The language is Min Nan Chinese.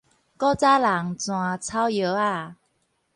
古早人煎草藥仔